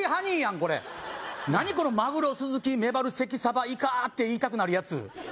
これ何この「マグロスズキメバル関サバイカ」って言いたくなるやつ